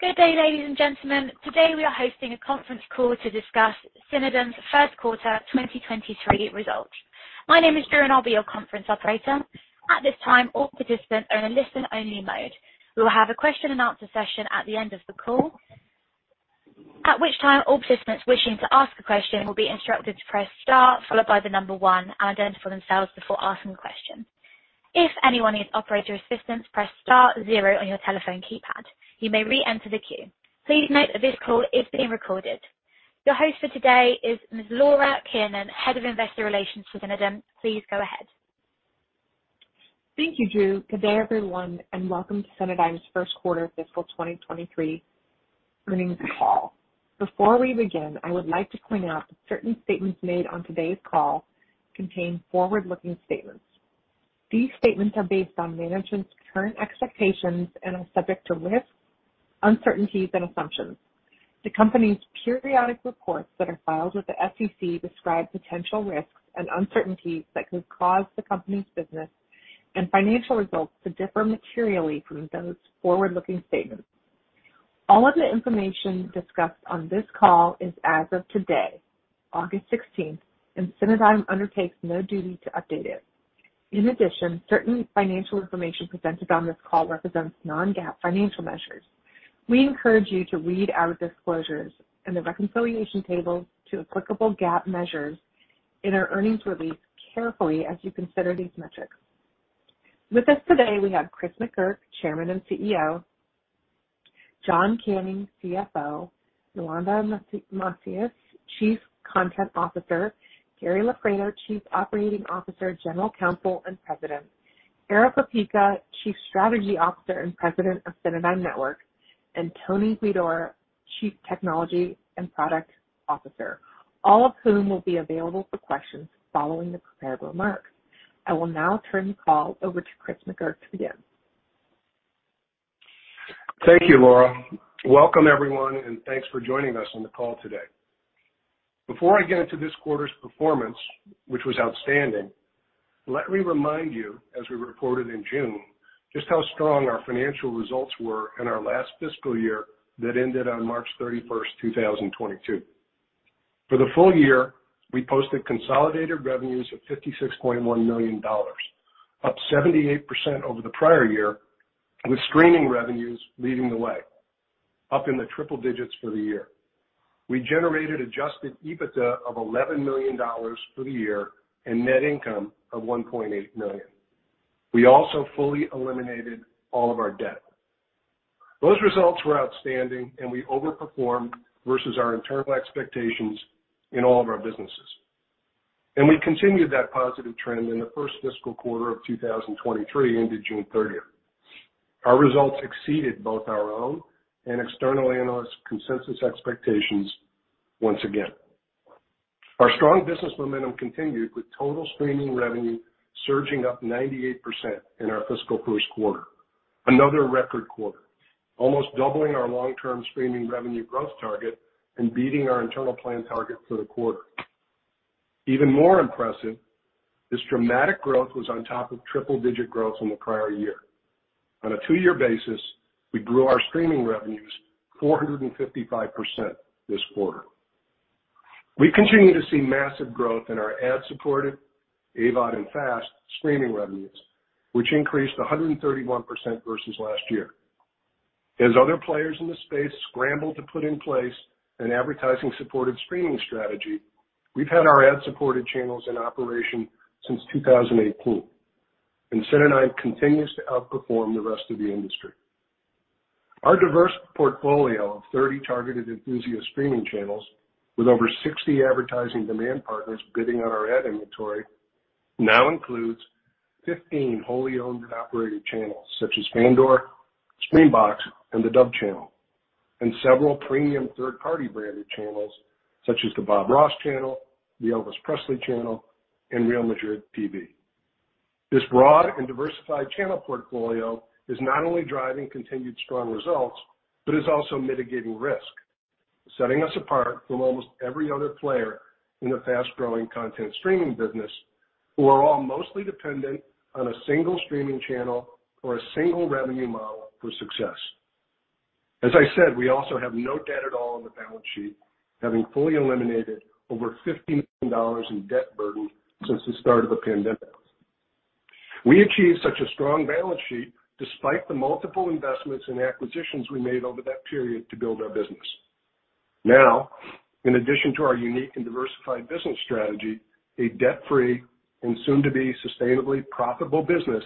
Good day, ladies and gentlemen. Today we are hosting a conference call to discuss Cinedigm's Q1 2023 Results. My name is Drew, and I'll be your conference operator. At this time, all participants are in a listen-only mode. We will have a Q&A session at the end of the call, at which time all participants wishing to ask a question will be instructed to press Star followed by the number one and identify themselves before asking a question. If anyone needs operator assistance, press Star zero on your telephone keypad. You may re-enter the queue. Please note that this call is being recorded. Your host for today is Ms. Laura Kiernan, Head of Investor Relations for Cinedigm. Please go ahead. Thank you, Drew. Good day, everyone, and welcome to Cinedigm's Q1 FY 2023 Earnings Call. Before we begin, I would like to point out that certain statements made on today's call contain forward-looking statements. These statements are based on management's current expectations and are subject to risks, uncertainties, and assumptions. The company's periodic reports that are filed with the SEC describe potential risks and uncertainties that could cause the company's business and financial results to differ materially from those forward-looking statements. All of the information discussed on this call is as of today, 16th of August, and Cinedigm undertakes no duty to update it. In addition, certain financial information presented on this call represents non-GAAP financial measures. We encourage you to read our disclosures and the reconciliation tables to applicable GAAP measures in our earnings release carefully as you consider these metrics. With us today, we have Chris McGurk, Chairman and CEO, John Canning, CFO, Yolanda Macias, Chief Content Officer, Gary Loffredo, Chief Operating Officer, General Counsel, and President, Erick Opeka, Chief Strategy Officer and President of Cinedigm Networks, and Tony Huidor, Chief Technology and Product Officer, all of whom will be available for questions following the prepared remarks. I will now turn the call over to Chris McGurk to begin. Thank you, Laura. Welcome, everyone, and thanks for joining us on the call today. Before I get into this quarter's performance, which was outstanding, let me remind you, as we reported in June, just how strong our financial results were in our last FY that ended on 31st of March 2022. For the full year, we posted consolidated revenues of $56.1 million, up 78% over the prior year, with streaming revenues leading the way, up in the triple digits for the year. We generated adjusted EBITDA of $11 million for the year and net income of $1.8 million. We also fully eliminated all of our debt. Those results were outstanding, and we overperformed versus our internal expectations in all of our businesses. We continued that positive trend in the Q1 of 2023 into 30th of June. Our results exceeded both our own and external analyst consensus expectations once again. Our strong business momentum continued with total streaming revenue surging up 98% in our fiscal Q1. Another record quarter, almost doubling our long-term streaming revenue growth target and beating our internal plan target for the quarter. Even more impressive, this dramatic growth was on top of triple-digit growth from the prior year. On a two-year basis, we grew our streaming revenues 455% this quarter. We continue to see massive growth in our Ad-supported AVOD and FAST streaming revenues, which increased 131% versus last year. As other players in the space scramble to put in place an advertising-supported streaming strategy, we've had our ad-supported channels in operation since 2018, and Cinedigm continues to outperform the rest of the industry. Our diverse portfolio of 30 targeted enthusiast streaming channels with over 60 advertising demand partners bidding on our ad inventory now includes 15 wholly owned and operated channels such as Fandor, Screambox, and The Dove Channel, and several premium third-party branded channels such as The Bob Ross Channel, The Elvis Presley Channel, and Real Madrid TV. This broad and diversified channel portfolio is not only driving continued strong results, but is also mitigating risk, setting us apart from almost every other player in the fast-growing content streaming business, who are all mostly dependent on a single streaming channel or a single revenue model for success. As I said, we also have no debt at all on the balance sheet, having fully eliminated over $15 million in debt burden since the start of the pandemic. We achieved such a strong balance sheet despite the multiple investments and acquisitions we made over that period to build our business. Now, in addition to our unique and diversified business strategy, a debt-free and soon-to-be sustainably profitable business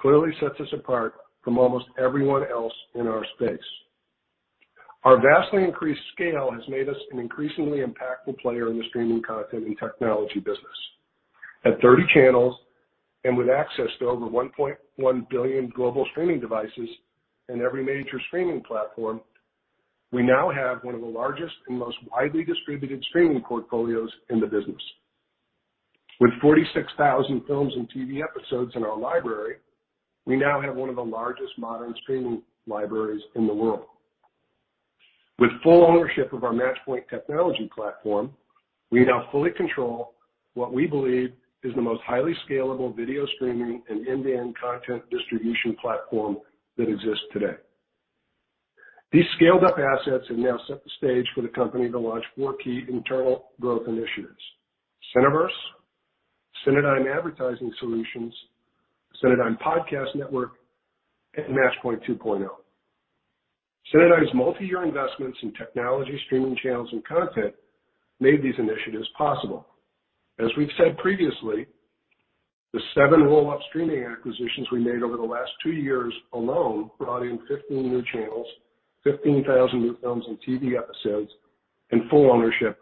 clearly sets us apart from almost everyone else in our space. Our vastly increased scale has made us an increasingly impactful player in the streaming content and technology business. At 30 channels and with access to over 1.1 billion global streaming devices in every major streaming platform, we now have one of the largest and most widely distributed streaming portfolios in the business. With 46,000 films and TV episodes in our library, we now have one of the largest modern streaming libraries in the world. With full ownership of our Matchpoint technology platform, we now fully control what we believe is the most highly scalable video streaming and end-to-end content distribution platform that exists today. These scaled up assets have now set the stage for the company to launch four key internal growth initiatives: Cineverse, Cinedigm Ad Solutions, Cinedigm Podcast Network, and Matchpoint 2.0. Cinedigm's multiyear investments in technology, streaming channels, and content made these initiatives possible. As we've said previously, the 7 roll-up streaming acquisitions we made over the last 2 years alone brought in 15 new channels, 15,000 new films and TV episodes, and full ownership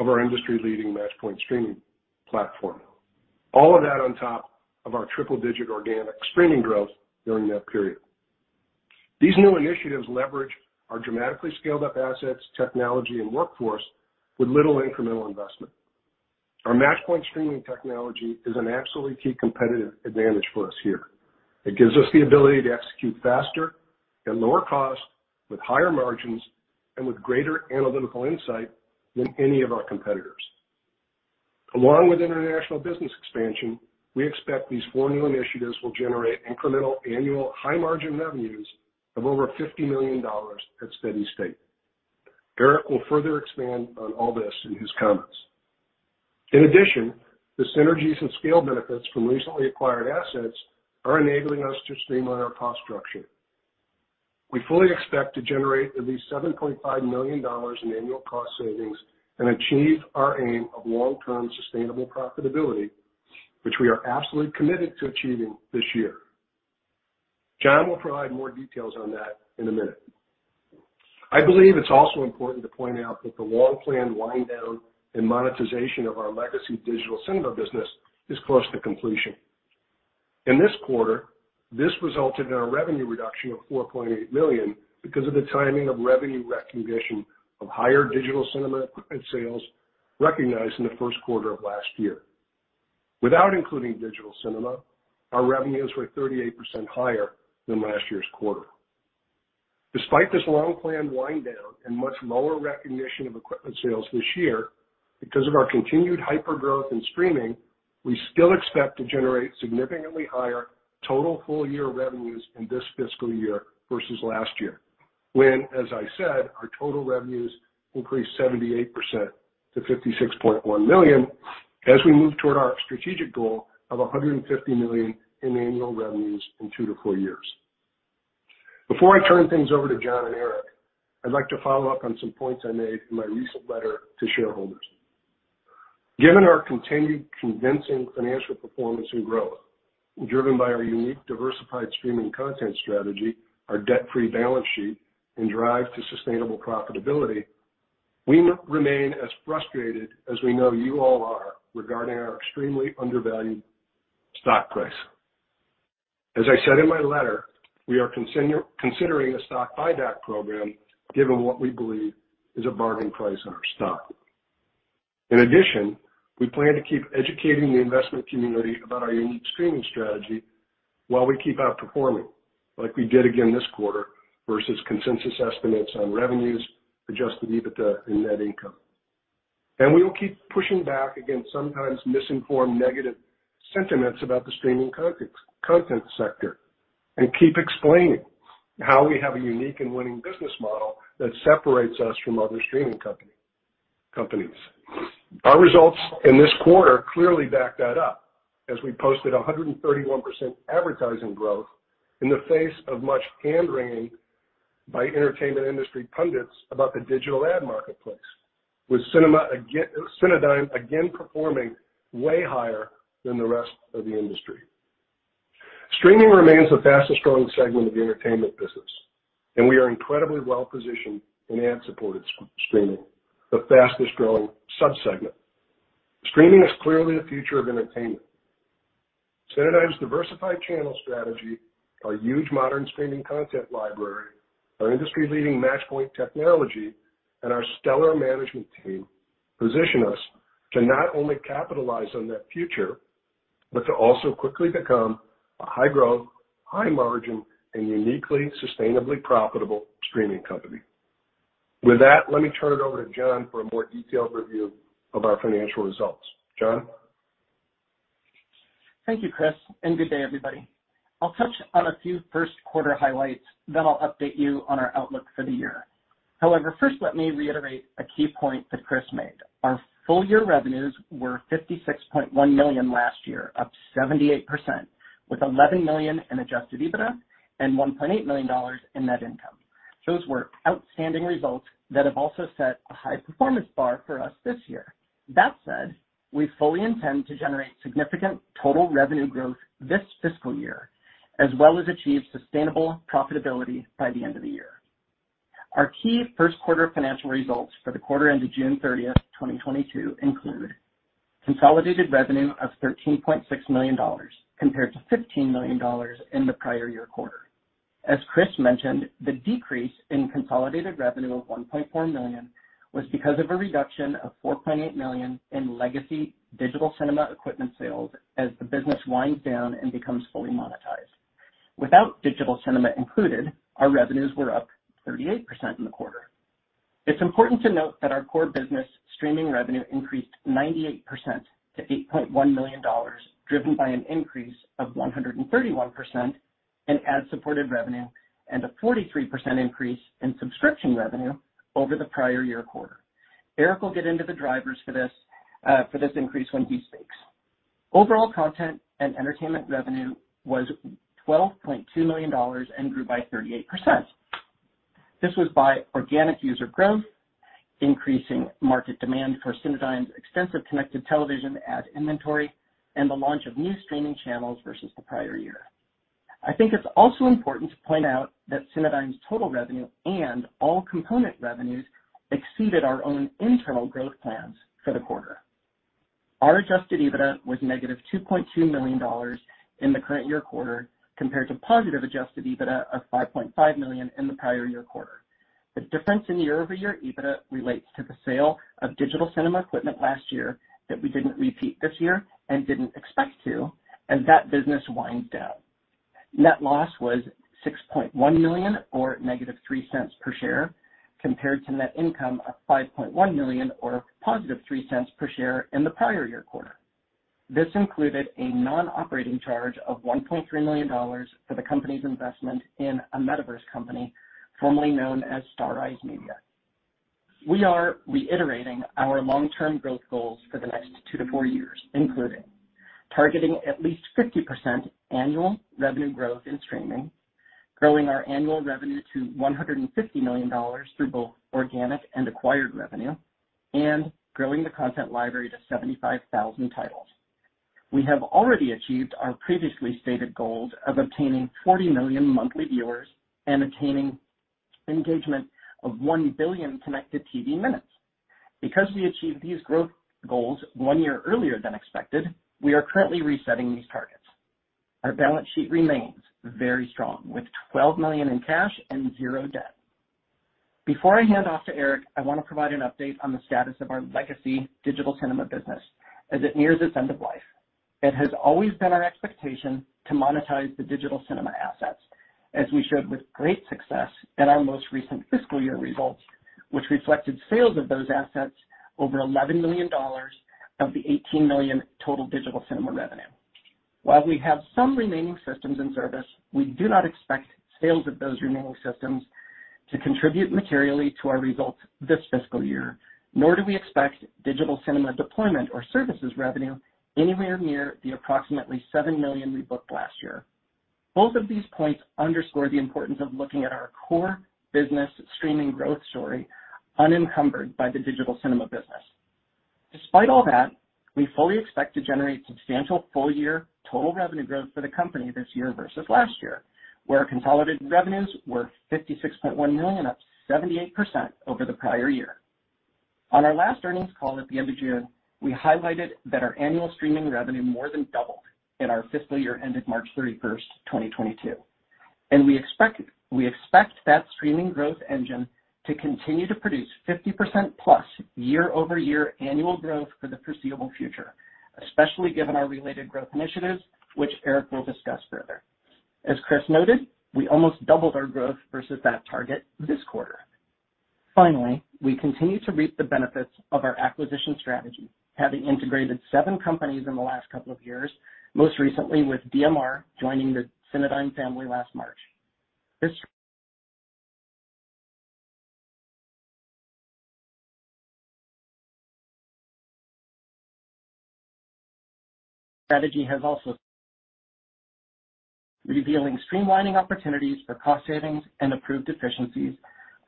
of our industry-leading Matchpoint streaming platform. All of that on top of our triple-digit organic streaming growth during that period. These new initiatives leverage our dramatically scaled up assets, technology, and workforce with little incremental investment. Our Matchpoint streaming technology is an absolutely key competitive advantage for us here. It gives us the ability to execute faster, at lower cost, with higher margins, and with greater analytical insight than any of our competitors. Along with international business expansion, we expect these four new initiatives will generate incremental annual high-margin revenues of over $50 million at steady state. Erick will further expand on all this in his comments. In addition, the synergies and scale benefits from recently acquired assets are enabling us to streamline our cost structure. We fully expect to generate at least $7.5 million in annual cost savings and achieve our aim of long-term sustainable profitability, which we are absolutely committed to achieving this year. John will provide more details on that in a minute. I believe it's also important to point out that the long-planned wind down and monetization of our legacy digital cinema business is close to completion. In this quarter, this resulted in a revenue reduction of $4.8 million because of the timing of revenue recognition of higher digital cinema equipment sales recognized in the Q1 of last year. Without including digital cinema, our revenues were 38% higher than last year's quarter. Despite this long-planned wind down and much lower recognition of equipment sales this year, because of our continued hypergrowth in streaming, we still expect to generate significantly higher total full year revenues in this FY versus last year, when, as I said, our total revenues increased 78% to $56.1 million as we move toward our strategic goal of $150 million in annual revenues in 2-4 years. Before I turn things over to John and Erick, I'd like to follow up on some points I made in my recent letter to shareholders. Given our continued convincing financial performance and growth, driven by our unique diversified streaming content strategy, our debt-free balance sheet, and drive to sustainable profitability, we remain as frustrated as we know you all are regarding our extremely undervalued stock price. As I said in my letter, we are considering a stock buyback program given what we believe is a bargain price on our stock. In addition, we plan to keep educating the investment community about our unique streaming strategy while we keep outperforming, like we did again this quarter, versus consensus estimates on revenues, adjusted EBITDA and net income. We will keep pushing back against sometimes misinformed negative sentiments about the streaming content sector and keep explaining how we have a unique and winning business model that separates us from other streaming companies. Our results in this quarter clearly back that up as we posted 131% advertising growth in the face of much hand-wringing by entertainment industry pundits about the digital ad marketplace, with Cinedigm again performing way higher than the rest of the industry. Streaming remains the fastest-growing segment of the entertainment business, and we are incredibly well positioned in ad-supported streaming, the fastest-growing sub-segment. Streaming is clearly the future of entertainment. Cinedigm's diversified channel strategy, our huge modern streaming content library, our industry-leading Matchpoint technology, and our stellar management team position us to not only capitalize on that future, but to also quickly become a high-growth, high-margin, and uniquely sustainably profitable streaming company. With that, let me turn it over to John for a more detailed review of our financial results. John? Thank you, Chris, and good day, everybody. I'll touch on a few Q1 highlights, then I'll update you on our outlook for the year. However, first, let me reiterate a key point that Chris made. Our full year revenues were $56.1 million last year, up 78%, with $11 million in adjusted EBITDA and $1.8 million in net income. Those were outstanding results that have also set a high performance bar for us this year. That said, we fully intend to generate significant total revenue growth this FY, as well as achieve sustainable profitability by the end of the year. Our key Q1 Financial Results for the quarter ending 30th of June 2022 include. Consolidated revenue of $13.6 million compared to $15 million in the prior year quarter. As Chris mentioned, the decrease in consolidated revenue of $1.4 million was because of a reduction of $4.8 million in legacy digital cinema equipment sales as the business winds down and becomes fully monetized. Without digital cinema included, our revenues were up 38% in the quarter. It's important to note that our core business streaming revenue increased 98% to $8.1 million, driven by an increase of 131% in ad-supported revenue and a 43% increase in subscription revenue over the prior year quarter. Eric will get into the drivers for this, for this increase when he speaks. Overall content and entertainment revenue was $12.2 million and grew by 38%. This was by organic user growth, increasing market demand for Cinedigm's extensive connected television ad inventory, and the launch of new streaming channels versus the prior year. I think it's also important to point out that Cinedigm's total revenue and all component revenues exceeded our own internal growth plans for the quarter. Our adjusted EBITDA was -$2.2 million in the current year quarter, compared to positive adjusted EBITDA of $5.5 million in the prior year quarter. The difference in year-over-year EBITDA relates to the sale of digital cinema equipment last year that we didn't repeat this year and didn't expect to, as that business winds down. Net loss was $6.1 million or -$0.03 per share, compared to net income of $5.1 million or $0.03 per share in the prior year quarter. This included a non-operating charge of $1.3 million for the company's investment in a metaverse company formerly known as Starrise Media. We are reiterating our long-term growth goals for the next 2-4 years, including targeting at least 50% annual revenue growth in streaming, growing our annual revenue to $150 million through both organic and acquired revenue, and growing the content library to 75,000 titles. We have already achieved our previously stated goals of obtaining 40 million monthly viewers and attaining engagement of 1 billion connected TV minutes. Because we achieved these growth goals one year earlier than expected, we are currently resetting these targets. Our balance sheet remains very strong, with $12 million in cash and zero debt. Before I hand off to Eric, I want to provide an update on the status of our legacy digital cinema business as it nears its end of life. It has always been our expectation to monetize the digital cinema assets, as we showed with great success in our most recent FY results, which reflected sales of those assets over $11 million of the $18 million total digital cinema revenue. While we have some remaining systems in service, we do not expect sales of those remaining systems to contribute materially to our results this FY, nor do we expect digital cinema deployment or services revenue anywhere near the approximately $7 million we booked last year. Both of these points underscore the importance of looking at our core business streaming growth story unencumbered by the digital cinema business. Despite all that, we fully expect to generate substantial full-year total revenue growth for the company this year versus last year, where consolidated revenues were $56.1 million, up 78% over the prior year. On our last earnings call at the end of June, we highlighted that our annual streaming revenue more than doubled in our FY ended 31st of March 2022, and we expect that streaming growth engine to continue to produce 50%+ year-over-year annual growth for the foreseeable future, especially given our related growth initiatives, which Erick will discuss further. As Chris noted, we almost doubled our growth versus that target this quarter. Finally, we continue to reap the benefits of our acquisition strategy, having integrated 7 companies in the last couple of years, most recently with DMR joining the Cinedigm family last March. This strategy has also revealing streamlining opportunities for cost savings and improved efficiencies,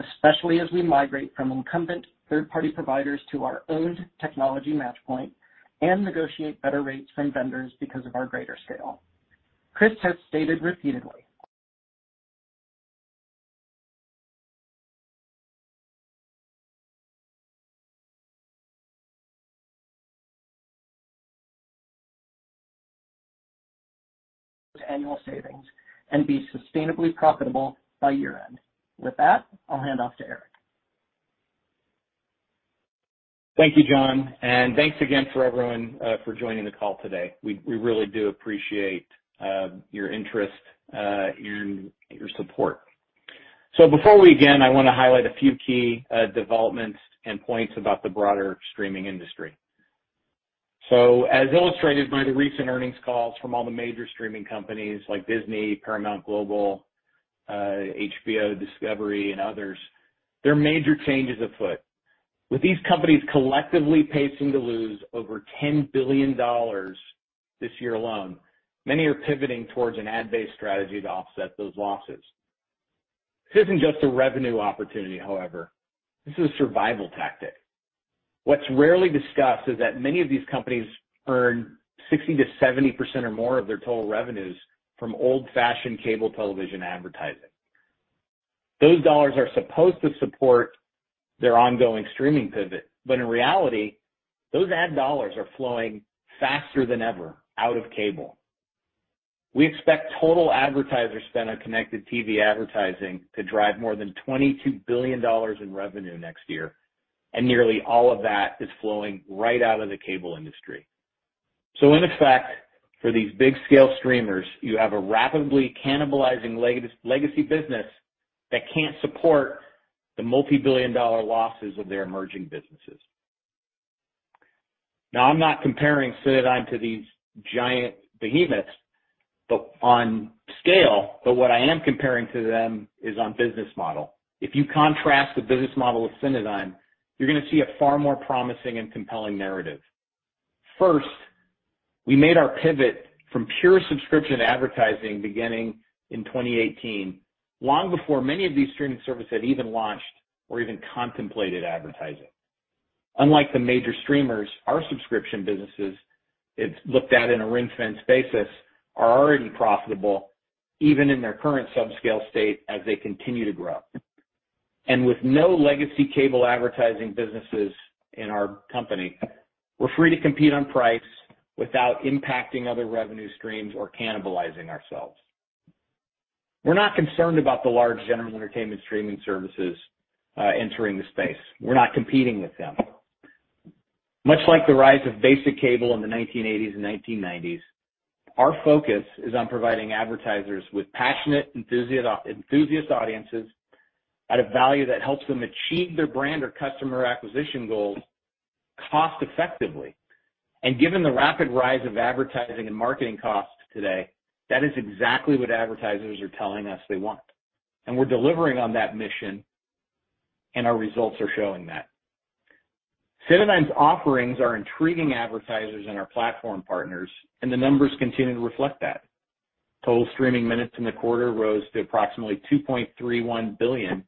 especially as we migrate from incumbent third-party providers to our own technology Matchpoint and negotiate better rates from vendors because of our greater scale. Chris has stated repeatedly annual savings and be sustainably profitable by year-end. With that, I'll hand off to Erick. Thank you, John, and thanks again for everyone for joining the call today. We really do appreciate your interest and your support. Before we begin, I wanna highlight a few key developments and points about the broader streaming industry. As illustrated by the recent earnings calls from all the major streaming companies like Disney, Paramount Global, HBO, Discovery, and others, there are major changes afoot. With these companies collectively pacing to lose over $10 billion this year alone, many are pivoting towards an ad-based strategy to offset those losses. This isn't just a revenue opportunity, however, this is a survival tactic. What's rarely discussed is that many of these companies earn 60%-70% or more of their total revenues from old-fashioned cable television advertising. Those dollars are supposed to support their ongoing streaming pivot, but in reality, those ad dollars are flowing faster than ever out of cable. We expect total advertiser spend on connected TV advertising to drive more than $22 billion in revenue next year, and nearly all of that is flowing right out of the cable industry. In effect, for these big scale streamers, you have a rapidly cannibalizing legacy business that can't support the multibillion-dollar losses of their emerging businesses. Now, I'm not comparing Cinedigm to these giant behemoths, but on scale, what I am comparing to them is on business model. If you contrast the business model with Cinedigm, you're gonna see a far more promising and compelling narrative. First, we made our pivot from pure subscription advertising beginning in 2018, long before many of these streaming services had even launched or even contemplated advertising. Unlike the major streamers, our subscription businesses, if looked at in a ring-fence basis, are already profitable even in their current subscale state as they continue to grow. With no legacy cable advertising businesses in our company, we're free to compete on price without impacting other revenue streams or cannibalizing ourselves. We're not concerned about the large general entertainment streaming services entering the space. We're not competing with them. Much like the rise of basic cable in the 1980s and 1990s, our focus is on providing advertisers with passionate enthusiast audiences at a value that helps them achieve their brand or customer acquisition goals cost effectively. Given the rapid rise of advertising and marketing costs today, that is exactly what advertisers are telling us they want. We're delivering on that mission, and our results are showing that. Cinedigm's offerings are intriguing advertisers and our platform partners, and the numbers continue to reflect that. Total streaming minutes in the quarter rose to approximately 2.31 billion,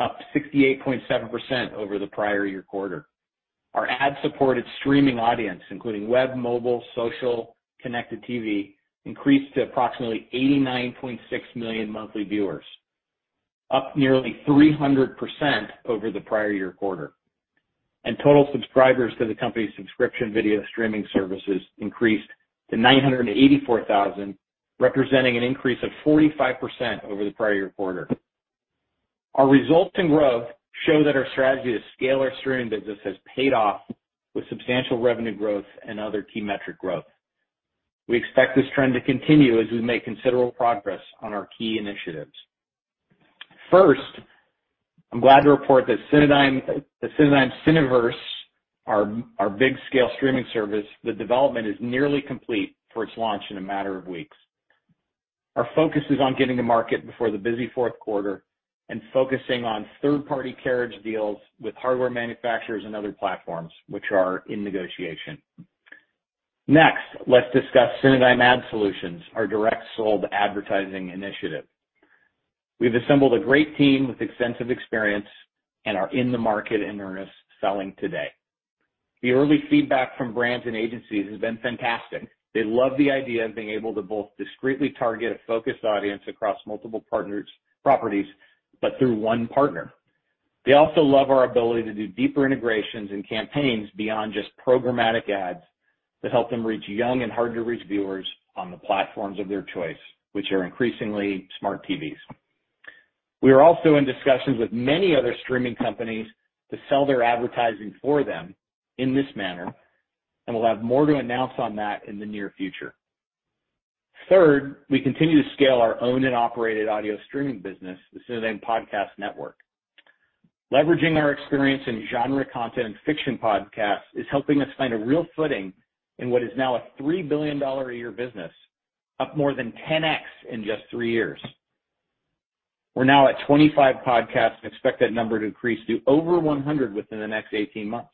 up 68.7% over the prior year quarter. Our ad-supported streaming audience, including web, mobile, social, connected TV, increased to approximately 89.6 million monthly viewers, up nearly 300% over the prior year quarter. Total subscribers to the company's subscription video streaming services increased to 984,000, representing an increase of 45% over the prior year quarter. Our results and growth show that our strategy to scale our streaming business has paid off with substantial revenue growth and other key metric growth. We expect this trend to continue as we make considerable progress on our key initiatives. First, I'm glad to report that Cineverse, our big scale streaming service, the development is nearly complete for its launch in a matter of weeks. Our focus is on getting to market before the busy fourth quarter and focusing on third-party carriage deals with hardware manufacturers and other platforms which are in negotiation. Next, let's discuss Cinedigm Ad Solutions, our direct sold advertising initiative. We've assembled a great team with extensive experience and are in the market in earnest selling today. The early feedback from brands and agencies has been fantastic. They love the idea of being able to both discreetly target a focused audience across multiple partners, properties, but through one partner. They also love our ability to do deeper integrations and campaigns beyond just programmatic ads to help them reach young and hard-to-reach viewers on the platforms of their choice, which are increasingly smart TVs. We are also in discussions with many other streaming companies to sell their advertising for them in this manner, and we'll have more to announce on that in the near future. Third, we continue to scale our owned and operated audio streaming business, the Cinedigm Podcast Network. Leveraging our experience in genre content and fiction podcasts is helping us find a real footing in what is now a $3 billion a year business, up more than 10x in just 3 years. We're now at 25 podcasts and expect that number to increase to over 100 within the next 18 months.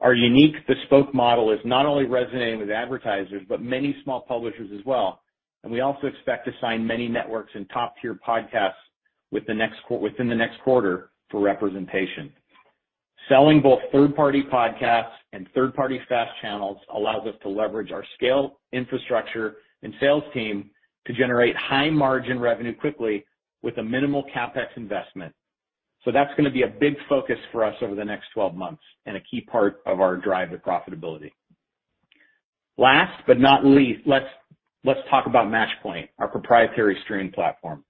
Our unique bespoke model is not only resonating with advertisers, but many small publishers as well. We also expect to sign many networks and top-tier podcasts within the next quarter for representation. Selling both third-party podcasts and third-party FAST channels allows us to leverage our scale, infrastructure, and sales team to generate high-margin revenue quickly with a minimal CapEx investment. That's gonna be a big focus for us over the next 12 months and a key part of our drive to profitability. Last but not least, let's talk about Matchpoint, our proprietary streaming platform.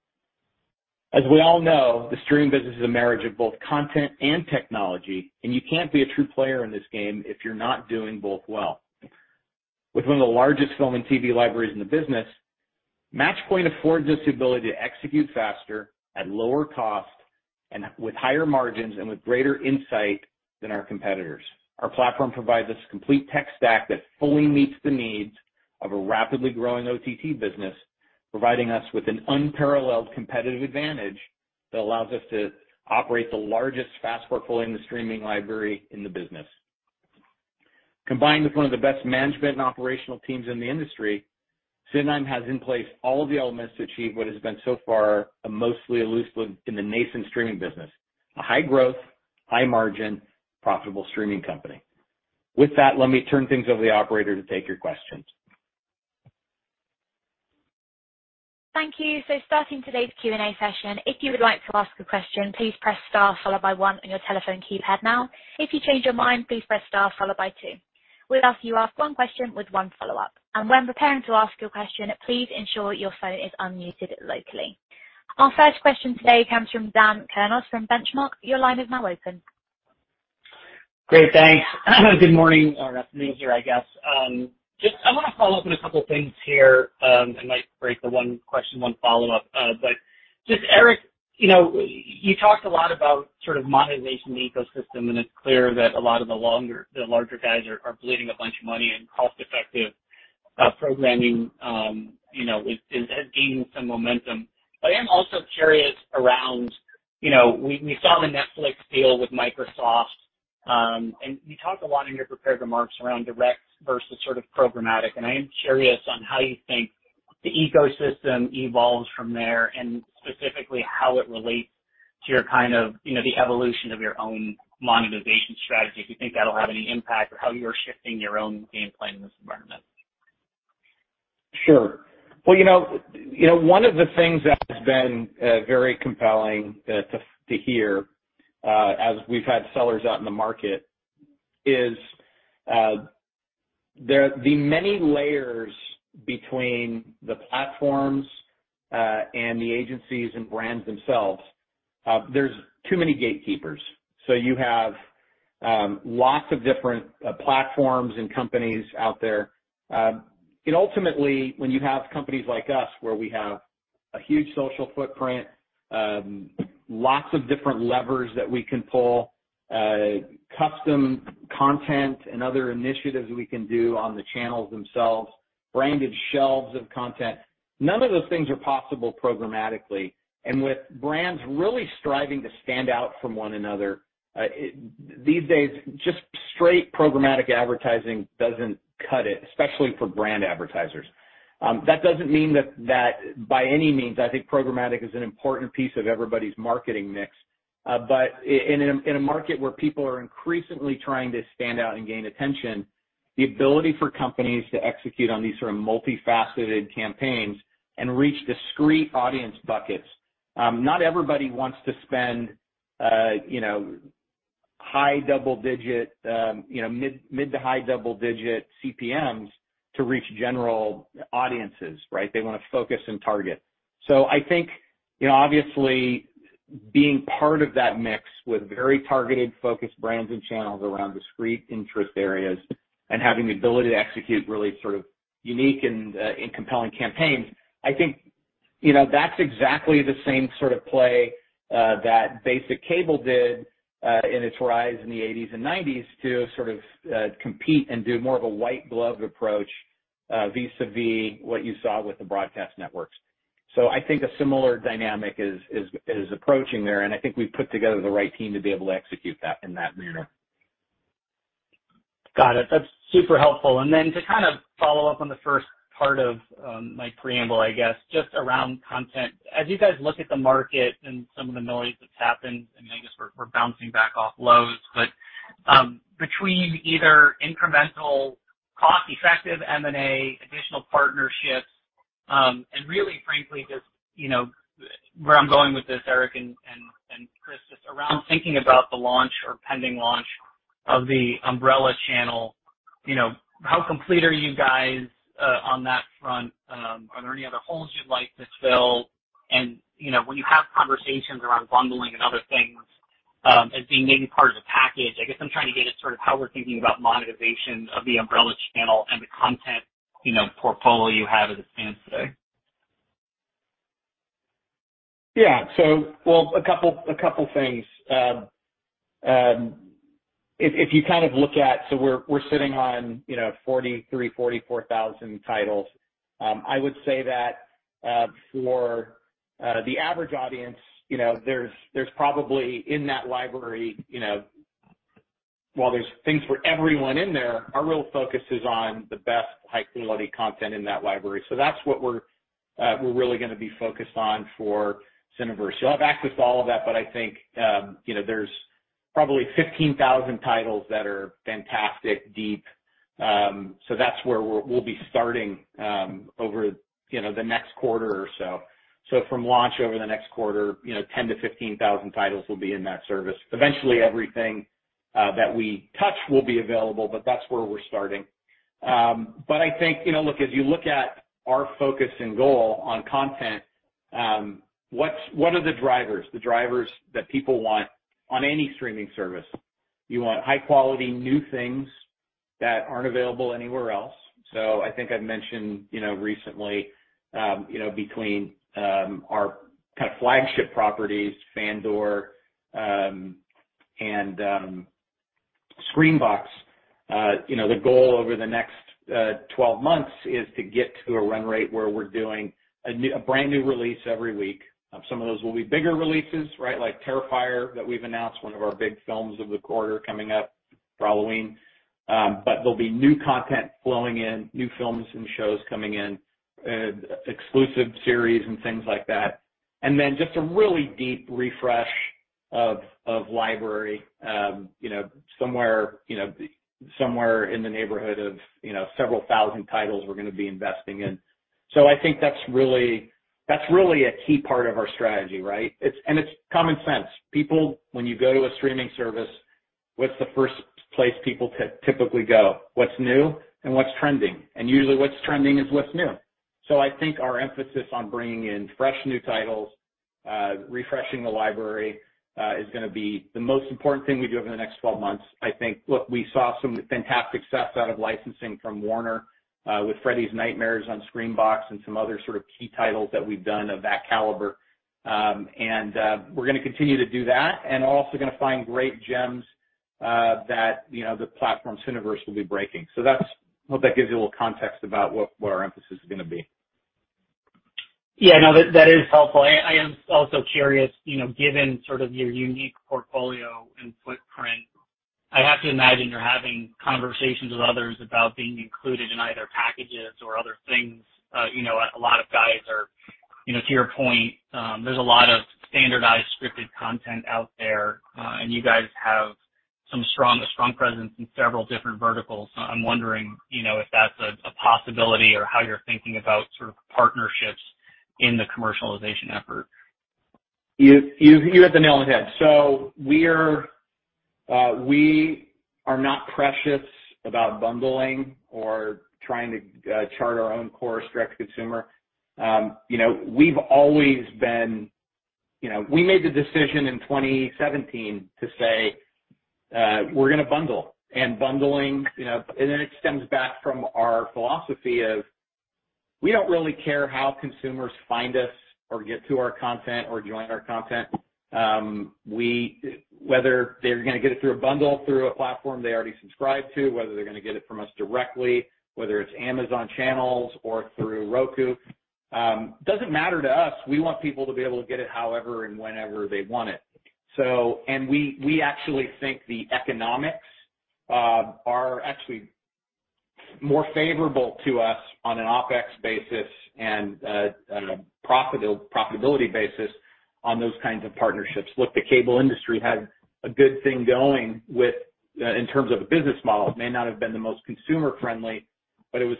As we all know, the streaming business is a marriage of both content and technology, and you can't be a true player in this game if you're not doing both well. With one of the largest film and TV libraries in the business, Matchpoint affords us the ability to execute faster, at lower cost, and with higher margins and with greater insight than our competitors. Our platform provides us a complete tech stack that fully meets the needs of a rapidly growing OTT business, providing us with an unparalleled competitive advantage that allows us to operate the largest FAST portfolio in the streaming library in the business. Combined with one of the best management and operational teams in the industry, Cinedigm has in place all of the elements to achieve what has been so far mostly elusive in the nascent streaming business, a high-growth, high-margin, profitable streaming company. With that, let me turn things over to the operator to take your questions. Thank you. Starting today's Q&A session, if you would like to ask a question, please press star followed by one on your telephone keypad now. If you change your mind, please press star followed by two. We'll ask you to ask one question with one follow-up. When preparing to ask your question, please ensure your phone is unmuted locally. Our first question today comes from Dan Kurnos from Benchmark. Your line is now open. Great. Thanks. Good morning or afternoon here, I guess. Just I wanna follow up on a couple things here, I might break the one question, one follow-up. Just Erick, you know, you talked a lot about sort of monetization ecosystem, and it's clear that a lot of the larger guys are bleeding a bunch of money and cost-effective programming, you know, has gained some momentum. I am also curious around, you know, we saw the Netflix deal with Microsoft, and you talked a lot in your prepared remarks around direct versus sort of programmatic. I am curious on how you think the ecosystem evolves from there, and specifically how it relates to your kind of, you know, the evolution of your own monetization strategy. If you think that'll have any impact or how you're shifting your own game plan in this environment? Sure. Well, you know, one of the things that has been very compelling to hear as we've had sellers out in the market is the many layers between the platforms and the agencies and brands themselves. There's too many gatekeepers. You have lots of different platforms and companies out there. Ultimately, when you have companies like us where we have a huge social footprint, lots of different levers that we can pull, custom content and other initiatives we can do on the channels themselves, branded shelves of content, none of those things are possible programmatically. With brands really striving to stand out from one another these days, just straight programmatic advertising doesn't cut it, especially for brand advertisers. That doesn't mean that by any means, I think programmatic is an important piece of everybody's marketing mix. In a market where people are increasingly trying to stand out and gain attention, the ability for companies to execute on these sort of multifaceted campaigns and reach discrete audience buckets, not everybody wants to spend, you know, high double-digit, you know, mid- to high double-digit CPMs to reach general audiences, right? They wanna focus and target. I think, you know, obviously being part of that mix with very targeted, focused brands and channels around discrete interest areas and having the ability to execute really sort of unique and compelling campaigns, I think, you know, that's exactly the same sort of play that basic cable did in its rise in the eighties and nineties to sort of compete and do more of a white glove approach vis-a-vis what you saw with the broadcast networks. I think a similar dynamic is approaching there, and I think we've put together the right team to be able to execute that in that manner. Got it. That's super helpful. Then to kind of follow up on the first part of my preamble, I guess, just around content. As you guys look at the market and some of the noise that's happened, I mean, I guess we're bouncing back off lows, but between either incremental cost-effective M&A, additional partnerships, and really frankly, just you know, where I'm going with this, Erick and Chris, just around thinking about the launch or pending launch of the Umbrella channel, you know, how complete are you guys on that front? Are there any other holes you'd like to fill? You know, when you have conversations around bundling and other things, as being maybe part of the package, I guess I'm trying to get at sort of how we're thinking about monetization of the Umbrella channel and the content, you know, portfolio you have as it stands today. Yeah. Well, a couple things. If you kind of look at, we're sitting on, you know, 43,000-44,000 titles. I would say that for the average audience, you know, there's probably in that library, you know, while there's things for everyone in there, our real focus is on the best high-quality content in that library. That's what we're really gonna be focused on for Cineverse. You'll have access to all of that, but I think, you know, there's probably 15,000 titles that are fantastic, deep. That's where we'll be starting, over, you know, the next quarter or so. From launch over the next quarter, you know, 10,000-15,000 titles will be in that service. Eventually, everything that we touch will be available, but that's where we're starting. I think, you know, look, as you look at our focus and goal on content, what are the drivers? The drivers that people want on any streaming service. You want high quality, new things that aren't available anywhere else. I think I've mentioned, you know, recently, you know, between our kind of flagship properties, Fandor, and Screambox, you know, the goal over the next 12 months is to get to a run rate where we're doing a brand new release every week. Some of those will be bigger releases, right? Like Terrifier, that we've announced one of our big films of the quarter coming up for Halloween. There'll be new content flowing in, new films and shows coming in, exclusive series and things like that. Then just a really deep refresh of library, you know, somewhere in the neighborhood of, you know, several thousand titles we're gonna be investing in. I think that's really a key part of our strategy, right? It's common sense. People, when you go to a streaming service, what's the first place people typically go? What's new and what's trending? Usually what's trending is what's new. I think our emphasis on bringing in fresh new titles, refreshing the library, is gonna be the most important thing we do over the next 12 months, I think. Look, we saw some fantastic stuff out of licensing from Warner with Freddy's Nightmares on Screambox and some other sort of key titles that we've done of that caliber. We're gonna continue to do that and also gonna find great gems that you know the platform's universe will be breaking. Hope that gives you a little context about what, where our emphasis is gonna be. Yeah, no, that is helpful. I am also curious, you know, given sort of your unique portfolio and footprint. I have to imagine you're having conversations with others about being included in either packages or other things. You know, a lot of guys are, you know, to your point, there's a lot of standardized scripted content out there, and you guys have a strong presence in several different verticals. I'm wondering, you know, if that's a possibility or how you're thinking about sort of partnerships in the commercialization effort. You hit the nail on the head. We're not precious about bundling or trying to chart our own course, direct-to-consumer. You know, we've always been. You know, we made the decision in 2017 to say, we're gonna bundle. Bundling, you know, and it extends back from our philosophy of we don't really care how consumers find us or get to our content or join our content. Whether they're gonna get it through a bundle, through a platform they already subscribe to, whether they're gonna get it from us directly, whether it's Amazon channels or through Roku, doesn't matter to us. We want people to be able to get it however and whenever they want it. We actually think the economics are actually more favorable to us on an OpEx basis and on a profitability basis on those kinds of partnerships. Look, the cable industry had a good thing going with in terms of a business model. It may not have been the most consumer-friendly, but it was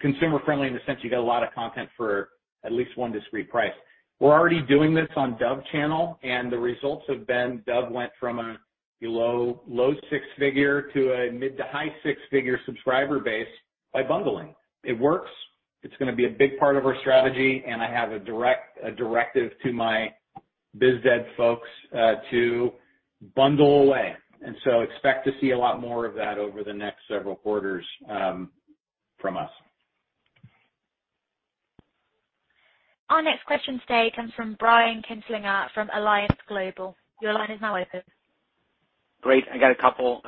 consumer-friendly in the sense you get a lot of content for at least one discrete price. We're already doing this on Dove Channel, and the results have been Dove went from a below low six-figure to a mid- to high six-figure subscriber base by bundling. It works. It's gonna be a big part of our strategy, and I have a directive to my biz dev folks to bundle away. Expect to see a lot more of that over the next several quarters, from us. Our next question today comes from Brian Kinstlinger from Alliance Global Partners. Your line is now open. Great. I got a couple.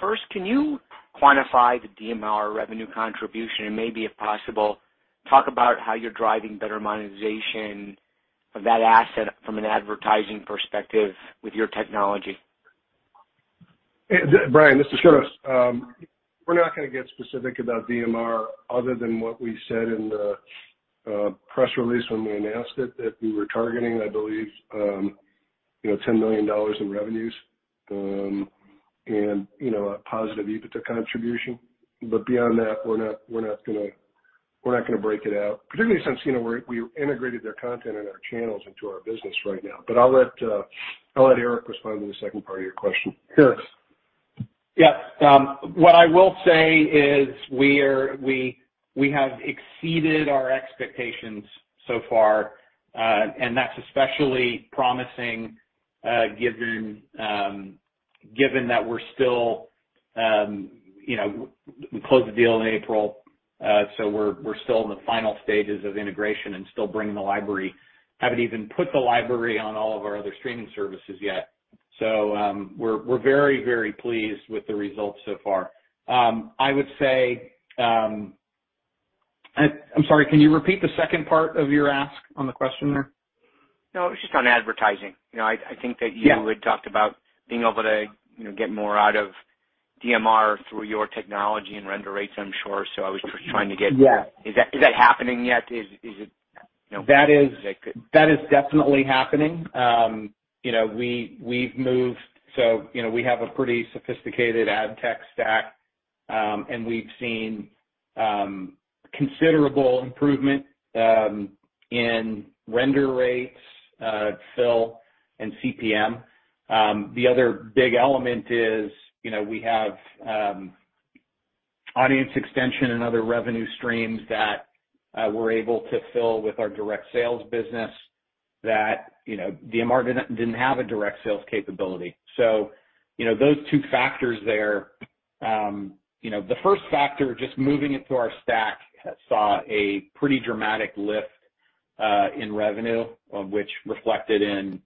First, can you quantify the DMR revenue contribution and maybe, if possible, talk about how you're driving better monetization of that asset from an advertising perspective with your technology? Brian, this is Chris. We're not gonna get specific about DMR other than what we said in the press release when we announced it, that we were targeting, I believe, you know, $10 million in revenues, and, you know, a positive EBITDA contribution. Beyond that, we're not gonna break it out, particularly since, you know, we integrated their content and their channels into our business right now. I'll let Erick respond to the second part of your question. Sure. Yeah. What I will say is we have exceeded our expectations so far. That's especially promising, given that we're still, you know, we closed the deal in April, so we're still in the final stages of integration and still bringing the library. Haven't even put the library on all of our other streaming services yet. So, we're very pleased with the results so far. I would say. I'm sorry, can you repeat the second part of your ask on the question there? No, it was just on advertising. You know, I think that. Yeah. You had talked about being able to, you know, get more out of DMR through your technology and render rates, I'm sure. I was just trying to get- Yeah. Is that happening yet? Is it, you know? That is definitely happening. You know, we have a pretty sophisticated ad tech stack, and we've seen considerable improvement in render rates, fill and CPM. The other big element is, you know, we have audience extension and other revenue streams that we're able to fill with our direct sales business that, you know, DMR didn't have a direct sales capability. You know, those two factors there, you know, the first factor, just moving it to our stack, saw a pretty dramatic lift in revenue, which reflected in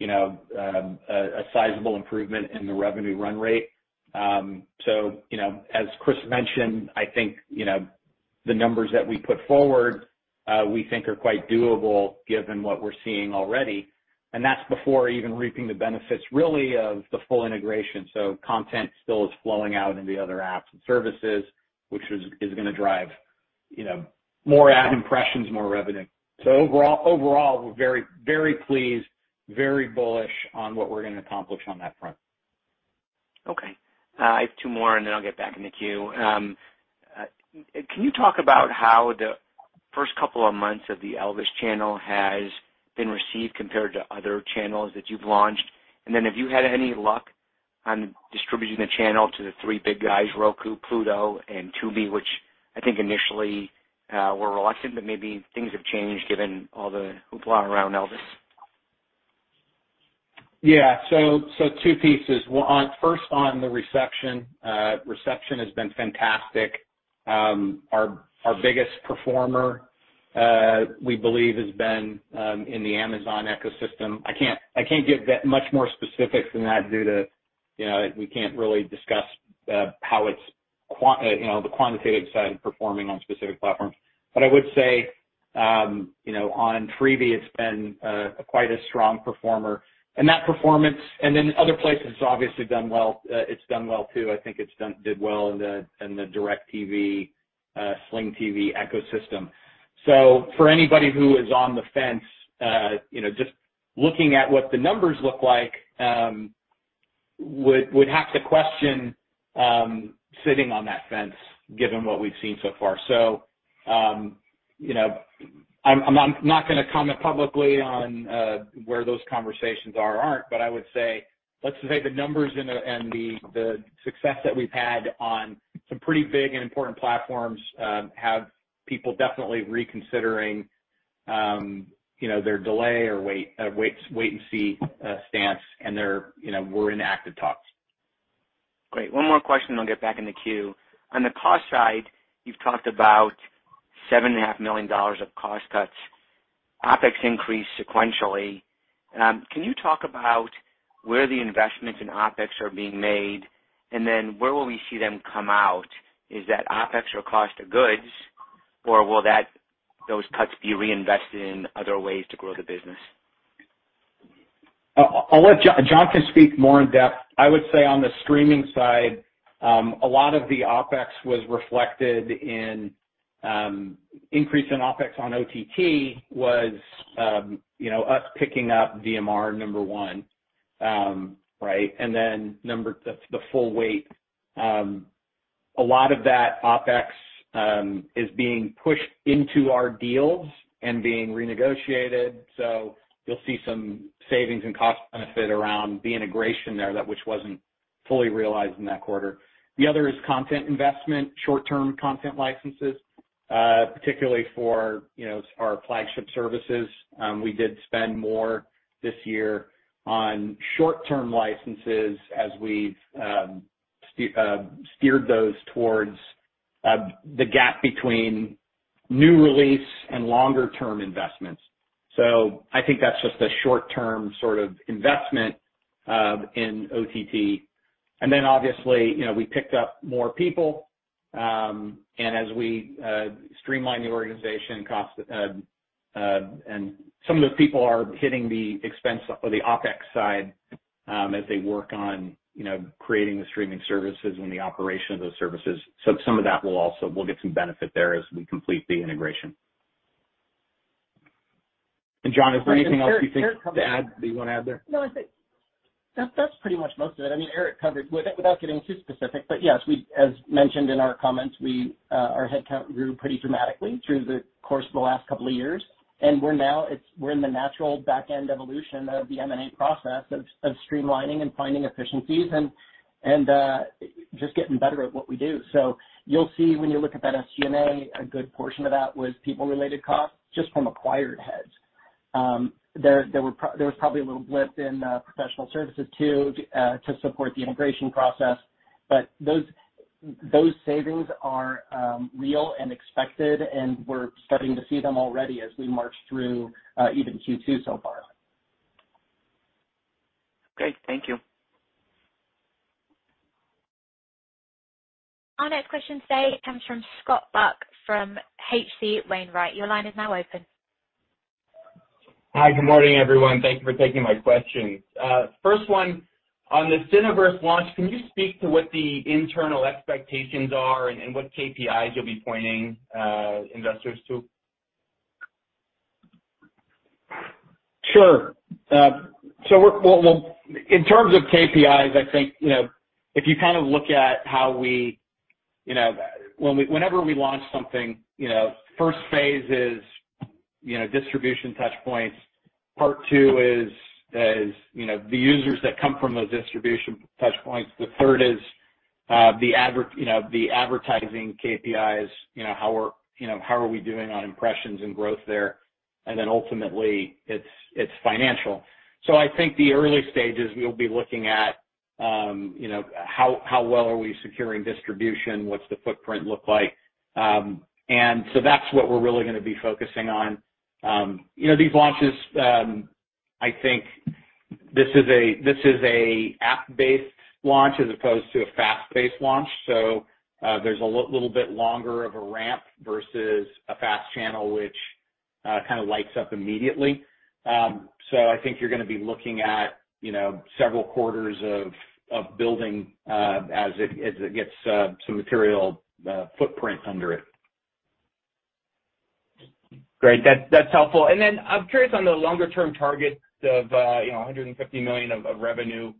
a sizable improvement in the revenue run rate. You know, as Chris mentioned, I think, you know, the numbers that we put forward, we think are quite doable given what we're seeing already. That's before even reaping the benefits really of the full integration. Content still is flowing out into the other apps and services, which is gonna drive, you know, more ad impressions, more revenue. Overall, we're very pleased, very bullish on what we're gonna accomplish on that front. Okay. I have two more, and then I'll get back in the queue. Can you talk about how the first couple of months of the Elvis Presley Channel has been received compared to other channels that you've launched? Have you had any luck on distributing the channel to the three big guys, Roku, Pluto TV, and Tubi, which I think initially were reluctant, but maybe things have changed given all the hoopla around Elvis. Yeah. Two pieces. First, on the reception. Reception has been fantastic. Our biggest performer, we believe has been, in the Amazon ecosystem. I can't get that much more specific than that due to, you know, we can't really discuss, you know, the quantitative side of performing on specific platforms. I would say, you know, on Freevee, it's been, quite a strong performer. Other places, it's obviously done well. It's done well too. I think it did well in the DirecTV, Sling TV ecosystem. For anybody who is on the fence, you know, just looking at what the numbers look like, would have to question, sitting on that fence given what we've seen so far. I'm not gonna comment publicly on where those conversations are or aren't, but I would say, let's say the numbers and the success that we've had on some pretty big and important platforms have people definitely reconsidering, you know, their delay or wait and see stance, and they're, you know, we're in active talks. Great. One more question, then I'll get back in the queue. On the cost side, you've talked about $7.5 million of cost cuts. OpEx increased sequentially. Can you talk about where the investments in OpEx are being made, and then where will we see them come out? Is that OpEx or cost of goods, or will those cuts be reinvested in other ways to grow the business? I'll let John speak more in depth. I would say on the streaming side, a lot of the OpEx was reflected in an increase in OpEx on OTT, you know, us picking up DMR, number one, right? And then number two, the full weight. A lot of that OpEx is being pushed into our deals and being renegotiated, so you'll see some savings and cost benefit around the integration there that which wasn't fully realized in that quarter. The other is content investment, short-term content licenses, particularly for, you know, our flagship services. We did spend more this year on short-term licenses as we've steered those towards the gap between new release and longer-term investments. I think that's just a short-term sort of investment in OTT. Obviously, you know, we picked up more people, and as we streamline the organization cost. Some of those people are hitting the expense or the OpEx side, as they work on, you know, creating the streaming services and the operation of those services. Some of that will also. We'll get some benefit there as we complete the integration. John, is there anything else you think to add, that you wanna add there? No, I think that's pretty much most of it. I mean, Erick covered. Without getting too specific, but yes, we as mentioned in our comments, our headcount grew pretty dramatically through the course of the last couple of years, and we're now in the natural back-end evolution of the M&A process of streamlining and finding efficiencies and just getting better at what we do. You'll see when you look at that SG&A, a good portion of that was people-related costs just from acquired heads. There was probably a little blip in professional services too to support the integration process. Those savings are real and expected, and we're starting to see them already as we march through even Q2 so far. Great. Thank you. Our next question today comes from Scott Buck from H.C. Wainwright. Your line is now open. Hi. Good morning, everyone. Thank you for taking my questions. First one, on the Cineverse launch, can you speak to what the internal expectations are and what KPIs you'll be pointing investors to? Sure. Well, in terms of KPIs, I think, you know, if you kind of look at how we, you know, whenever we launch something, you know, first phase is, you know, distribution touch points. Part two is, you know, the users that come from those distribution touch points. The third is, you know, the advertising KPIs, you know, how are, you know, how are we doing on impressions and growth there. And then ultimately, it's financial. I think the early stages, we'll be looking at, you know, how well are we securing distribution? What's the footprint look like? You know, these launches, I think this is a app-based launch as opposed to a FAST-based launch. There's a little bit longer of a ramp versus a FAST channel which kinda lights up immediately. I think you're gonna be looking at, you know, several quarters of building as it gets some material footprint under it. Great. That's helpful. I'm curious on the longer-term targets of, you know, $150 million of revenue.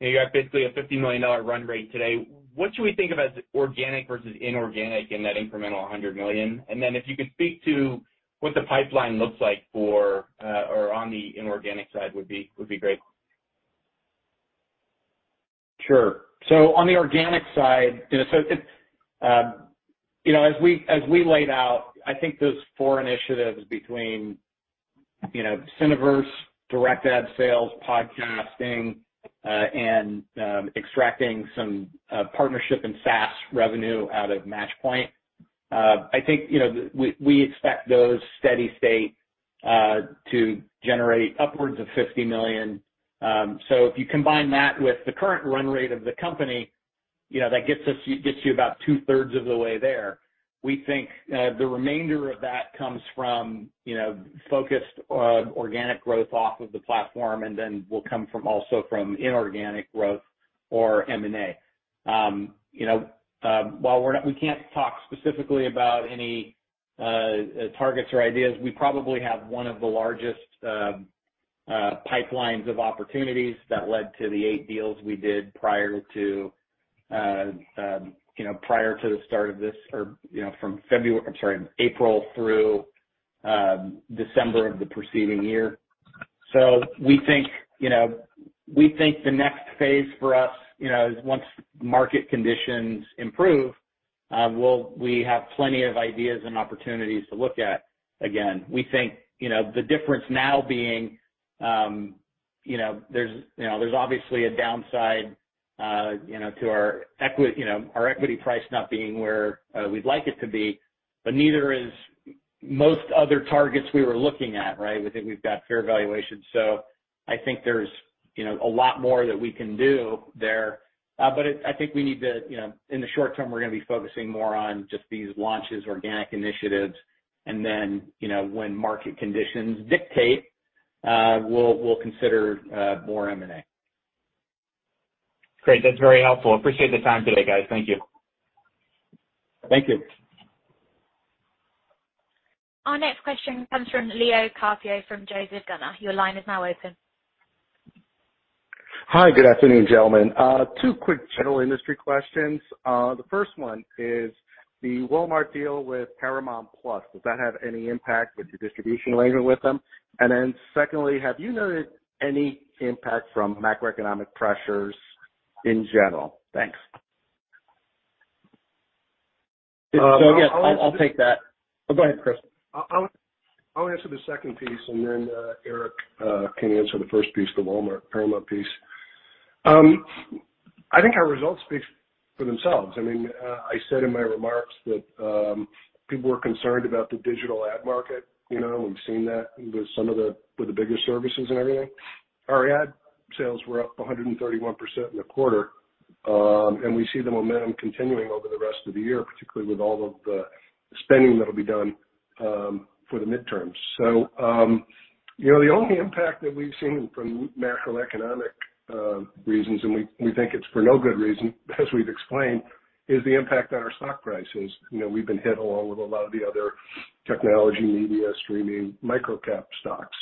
You know, you have basically a $50 million run rate today. What should we think of as organic versus inorganic in that incremental $100 million? If you could speak to what the pipeline looks like for or on the inorganic side would be great. Sure. On the organic side, you know, as we laid out, I think those four initiatives between, you know, Cineverse, direct ad sales, podcasting, and extracting some partnership and SaaS revenue out of Matchpoint, I think, you know, we expect those steady state to generate upwards of $50 million. If you combine that with the current run rate of the company, you know, that gets you about two-thirds of the way there. We think the remainder of that comes from, you know, focused organic growth off of the platform and then also from inorganic growth or M&A. You know, we can't talk specifically about any targets or ideas. We probably have one of the largest pipelines of opportunities that led to the 8 deals we did prior to the start of this or, you know, from February, I'm sorry, April through December of the preceding year. We think the next phase for us is once market conditions improve, we have plenty of ideas and opportunities to look at again. We think the difference now being, you know, there's obviously a downside to our equity, you know, our equity price not being where we'd like it to be, but neither is most other targets we were looking at, right? We think we've got fair valuation. I think there's, you know, a lot more that we can do there. I think we need to, you know, in the short term, we're gonna be focusing more on just these launches, organic initiatives. Then, you know, when market conditions dictate, we'll consider more M&A. Great. That's very helpful. Appreciate the time today, guys. Thank you. Thank you. Our next question comes from Leo Carpio from Joseph Gunnar. Your line is now open. Hi. Good afternoon, gentlemen. Two quick general industry questions. The first one is the Walmart deal with Paramount+, does that have any impact with your distribution arrangement with them? Secondly, have you noticed any impact from macroeconomic pressures in general? Thanks. Again, I'll take that. Go ahead, Chris. I'll answer the second piece and then, Eric, can answer the first piece, the Walmart Paramount piece. I think our results speak for themselves. I mean, I said in my remarks that people were concerned about the digital ad market. You know, we've seen that with the bigger services and everything. Our ad sales were up 131% in the quarter, and we see the momentum continuing over the rest of the year, particularly with all of the spending that'll be done for the midterms. You know, the only impact that we've seen from macroeconomic reasons, and we think it's for no good reason, as we've explained, is the impact on our stock prices. You know, we've been hit along with a lot of the other technology, media, streaming, microcap stocks.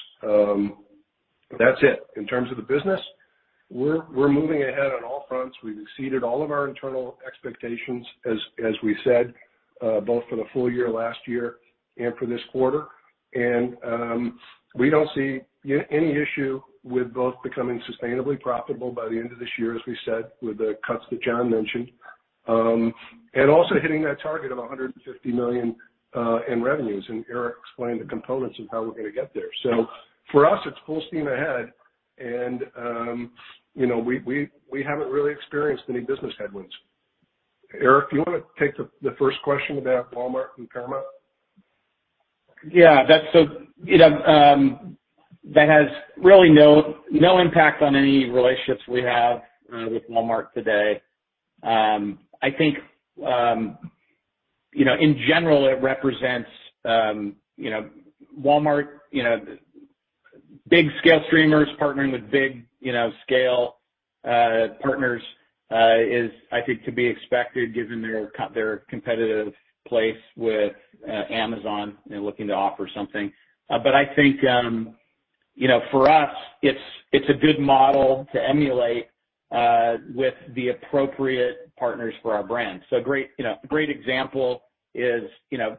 That's it. In terms of the business, we're moving ahead on all fronts. We've exceeded all of our internal expectations as we said, both for the full year last year and for this quarter. We don't see any issue with both becoming sustainably profitable by the end of this year, as we said, with the cuts that John mentioned, and also hitting that target of $150 million in revenues. Erick explained the components of how we're gonna get there. For us, it's full steam ahead and, you know, we haven't really experienced any business headwinds. Erick, do you wanna take the first question about Walmart and Paramount? That's so, you know, that has really no impact on any relationships we have with Walmart today. I think, you know, in general it represents, you know, Walmart, you know, big scale streamers partnering with big, you know, scale partners, is I think to be expected given their competitive place with Amazon, you know, looking to offer something. I think, you know, for us it's a good model to emulate with the appropriate partners for our brand. Great, you know, a great example is, you know,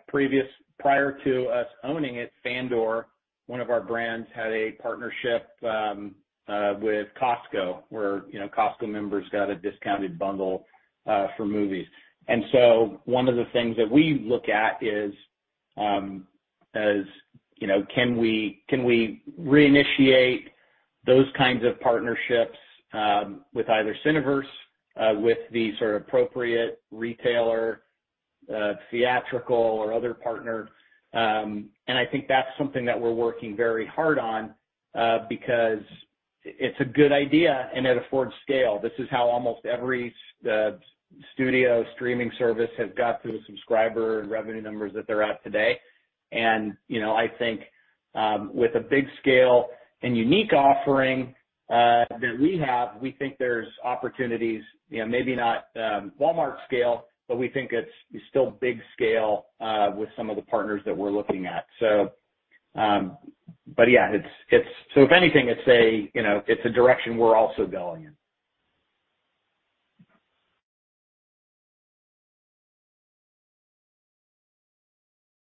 prior to us owning it, Fandor, one of our brands, had a partnership with Costco where, you know, Costco members got a discounted bundle for movies. One of the things that we look at is, you know, can we reinitiate those kinds of partnerships with either Cineverse or with the sort of appropriate retailer, theatrical or other partner? I think that's something that we're working very hard on because it's a good idea and it affords scale. This is how almost every studio streaming service has got to the subscriber and revenue numbers that they're at today. You know, I think with a big scale and unique offering that we have, we think there's opportunities, you know, maybe not Walmart scale, but we think it's still big scale with some of the partners that we're looking at. But yeah, it's a direction we're also going in.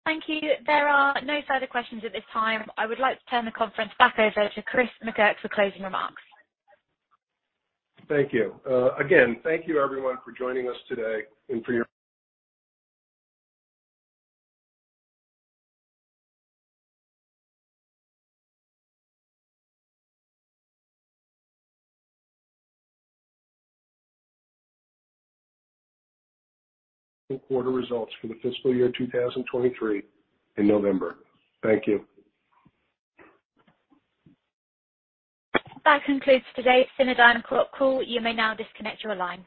Thank you. There are no further questions at this time. I would like to turn the conference back over to Chris McGurk for closing remarks. Thank you. Again, thank you everyone for joining us today and for our quarter results for the FY 2023 in November. Thank you. That concludes today's Cinedigm call. You may now disconnect your line.